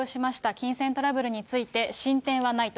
金銭トラブルについて、進展はないと。